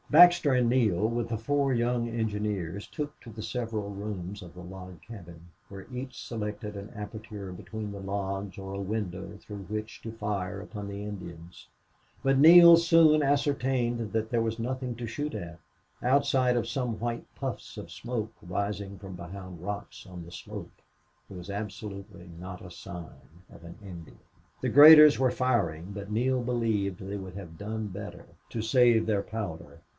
Baxter and Neale, with the four young engineers, took to the several rooms of the log cabin, where each selected an aperture between the logs or a window through which to fire upon the Indians. But Neale soon ascertained that there was nothing to shoot at, outside of some white puffs of smoke rising from behind rocks on the slope. There was absolutely not a sign of an Indian. The graders were firing, but Neale believed they would have done better to save their powder.